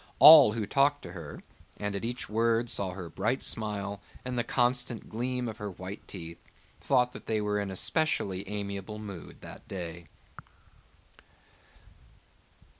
All who talked to her, and at each word saw her bright smile and the constant gleam of her white teeth, thought that they were in a specially amiable mood that day.